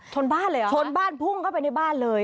บ้านเลยเหรอชนบ้านพุ่งเข้าไปในบ้านเลย